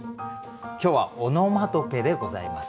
今日は「オノマトペ」でございます。